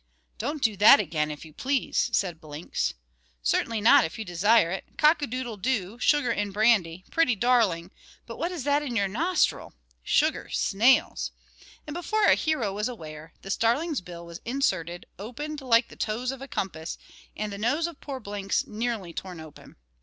"Don't do that again, if you please," said Blinks. "Certainly not, if you desire it. Cock a doodle doo, sugar and brandy, pretty darling; but what is that in your nostril? Sugar, snails." And before our hero was aware, the starling's bill was inserted, opened like the toes of a compass, and the nose of poor Blinks nearly torn open.